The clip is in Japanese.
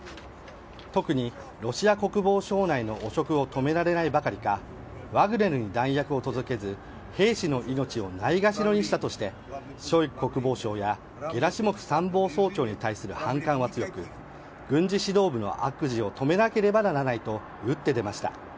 特にロシア国防省内の汚職を止められないばかりかワグネルに弾薬を届けず兵士の命をないがしろにしたとしてショイグ国防相やゲラシモフ参謀総長に対する反感は強く軍事指導部の悪事を止めなければならないと打って出ました。